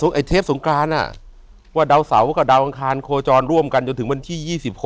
ไอ้เทปสงกรานว่าดาวเสาร์กับดาวอังคารโคจรร่วมกันจนถึงวันที่๒๖